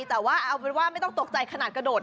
แต่ว่าเอาเป็นว่าไม่ต้องตกใจขนาดกระโดด